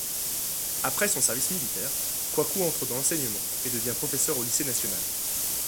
Après son service militaire, Coicou entre dans l'enseignement et devient professeur au Lycée national.